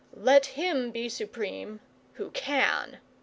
Let him be supreme who can.